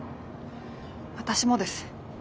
私もです。